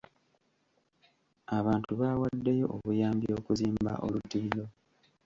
Abantu baawaddeyo obuyambi okuzimba olutindo.